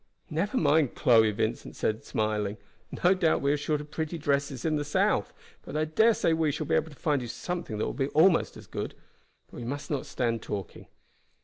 "Never mind, Chloe," Vincent said, smiling. "No doubt we are short of pretty dresses in the South, but I dare say we shall be able to find you something that will be almost as good. But we must not stand talking.